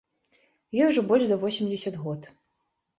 Ёй ужо больш за восемдзесят год.